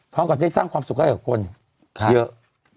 พร้อมกับการได้สร้างความสุขให้ของคนเยอะ